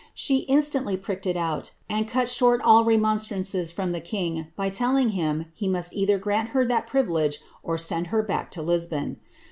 She instantly pricked it out, and cut short all re monstrances from the king, by telling him he must either grant her that privilege or send her back to Lisbon.